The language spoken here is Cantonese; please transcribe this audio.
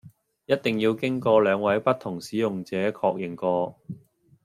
一定要經過兩位不同使用者確認過